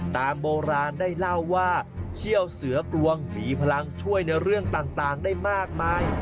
ตามโบราณได้เล่าว่าเขี้ยวเสือกรวงมีพลังช่วยในเรื่องต่างได้มากมาย